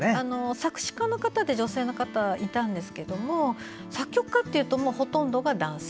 作詞家の方で女性の方はいたんですけど作曲家というとほとんどが男性。